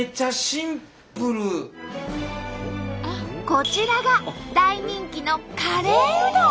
こちらが大人気のカレーうどん。